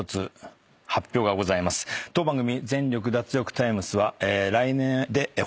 当番組。